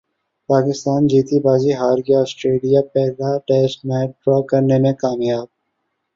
پاکستان جیتی بازی ہار گیا سٹریلیا پہلا ٹیسٹ میچ ڈرا کرنے میں کامیاب